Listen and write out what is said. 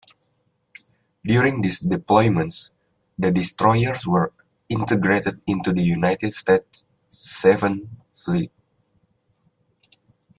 During these deployments, the destroyers were integrated into the United States Seventh Fleet.